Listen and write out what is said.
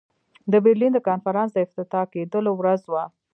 د برلین د کنفرانس د افتتاح کېدلو ورځ وه.